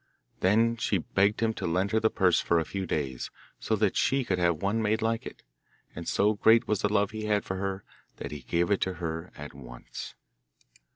Then she begged him to lend her the purse for a few days, so that she could have one made like it, and so great was the love he had for her that he gave it to her at once.